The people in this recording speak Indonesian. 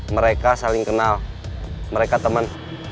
mereka saling kenal mereka teman